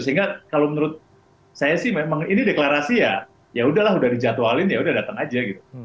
sehingga kalau menurut saya sih memang ini deklarasi ya ya udahlah udah dijadwalin ya udah datang aja gitu